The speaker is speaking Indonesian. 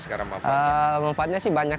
sekarang apa manfaatnya sih banyak